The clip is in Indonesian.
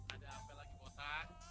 ada ampe lagi pota